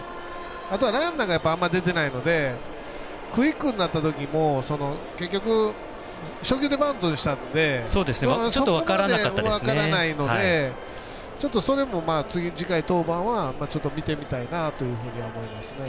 あとはランナーがあんまり出てないのでクイックになったときも結局、初球でバントしたのでそこまで分からないのでちょっとそれも次回登板は見てみたいなとは思いますね。